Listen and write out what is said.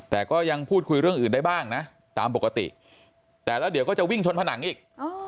แต่ก็ยังพูดคุยเรื่องอื่นได้บ้างนะตามปกติแต่แล้วเดี๋ยวก็จะวิ่งชนผนังอีก